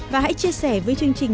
và hãy chia sẻ với chương trình